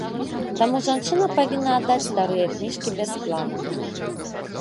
Таму жанчына павінна аддаць старыя кніжкі бясплатна.